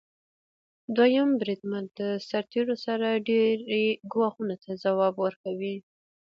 دویم بریدمن د سرتیرو سره ډیری ګواښونو ته ځواب ورکوي.